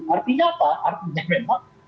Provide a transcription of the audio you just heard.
artinya apa artinya memang